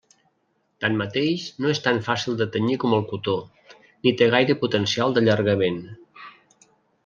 Tanmateix no és tan fàcil de tenyir com el cotó ni té gaire potencial d'allargament.